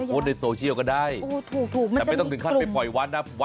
โพสต์ในโซเชียลก็ได้อู้ถูกถูกมันจะมีอีกกลุ่มแต่ไม่ต้องถึงขั้นไปปล่อยวัดอ่ะ